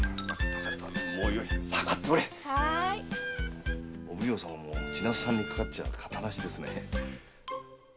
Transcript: お奉行様も千奈津さんにかかっちゃかたなしですね。